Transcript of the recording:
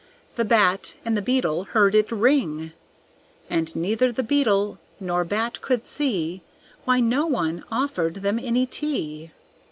The Bat and the Beetle heard it ring, And neither the Beetle nor Bat could see Why no one offered them any tea.